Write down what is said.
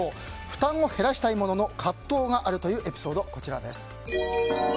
負担を減らしたいものの葛藤があるというエピソードです。